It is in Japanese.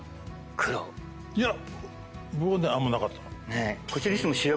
僕はあんまなかった。